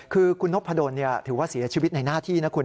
คือคุณนพดลถือว่าเสียชีวิตในหน้าที่นะคุณ